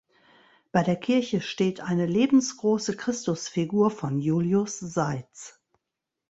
Bei der Kirche steht eine lebensgroße Christusfigur von Julius Seitz.